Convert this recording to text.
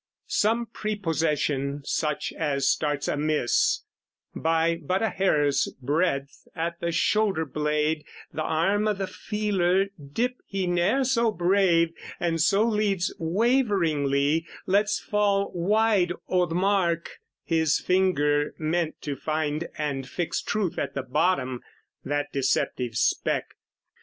Some prepossession such as starts amiss, By but a hair's breadth at the shoulder blade, The arm o' the feeler, dip he ne'er so brave; And so leads waveringly, lets fall wide O'the mark his finger meant to find, and fix Truth at the bottom, that deceptive speck.